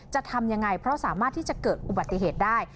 จะทำยังไงเพราะสามารถที่จะเกิดอุบัติเหตุได้